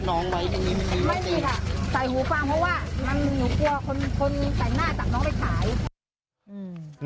ไว้ตรงนี้ไหมไม่มีค่ะใส่หูฟังเพราะว่ามันหนูกลัวคนคนใส่หน้าจากน้องไปขายอืม